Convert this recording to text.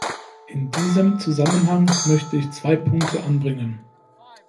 In diesem Zusammenhang möchte ich zwei Punkte anbringen.